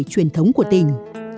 truyền thống của tỉnh